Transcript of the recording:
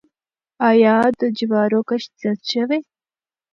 آیا د جوارو کښت زیات شوی؟